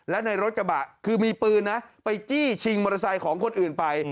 และในรถกระบะคือมีปืนนะไปจี้ชิงมอเตอร์ไซค์ของคนอื่นไป